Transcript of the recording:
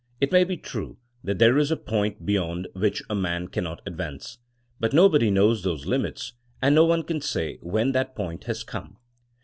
It may be true that there is a point be yond which a man cannot advance. But no body knows those limits and no one can say when that point has come.